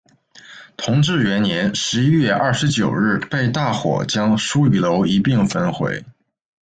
同治元年十一月二十九日被大火将书与楼一并焚毁。